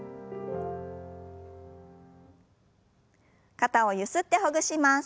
肩をゆすってほぐします。